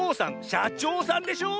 「しゃちょうさん」でしょ！